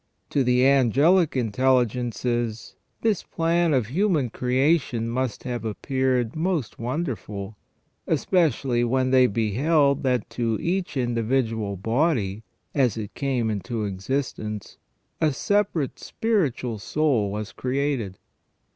To the angelic intelligences this plan of human creation must have appeared most wonderful, especially when they beheld that to each individual body, as it came into existence, a separate spiritual soul was created.